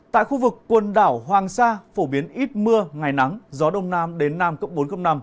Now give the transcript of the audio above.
tại khu vực quần đảo hoàng sa phổ biến ít mưa ngày nắng gió đông nam đến nam cấp bốn năm